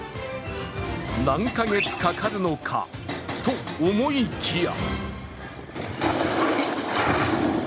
何カ月かかるのかと思いきや。